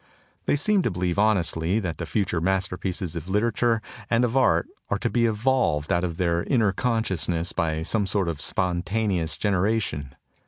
They seem to believe honestly that the future masterpieces of 16 THE TOCSIN OF REVOLT literature and of art are to be evolved out of their inner consciousness by some sort of spon taneous generation.